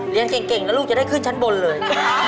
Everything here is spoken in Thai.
เรียนเก่งแล้วลูกจะได้ขึ้นชั้นบนเลย